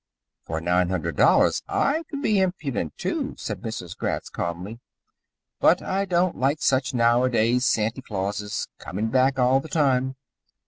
"For nine hundred dollars I could be impudent, too," said Mrs. Gratz calmly. "But I don't like such nowadays Santy Clauses, coming back all the time.